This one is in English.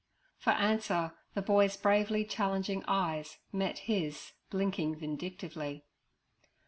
For answer the boy's bravely challenging eyes met his blinking vindictively.